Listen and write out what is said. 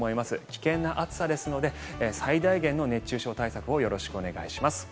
危険な暑さですので最大限の熱中症対策をよろしくお願いします。